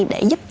để giúp đỡ